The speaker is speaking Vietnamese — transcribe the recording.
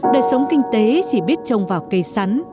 đời sống kinh tế chỉ biết trông vào cây sắn